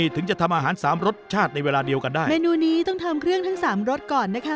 ถึงจะทำอาหารสามรสชาติในเวลาเดียวกันได้เมนูนี้ต้องทำเครื่องทั้งสามรสก่อนนะคะ